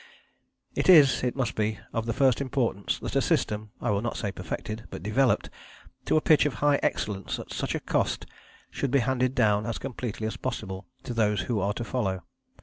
It is, it must be, of the first importance that a system, I will not say perfected, but developed, to a pitch of high excellence at such a cost should be handed down as completely as possible to those who are to follow.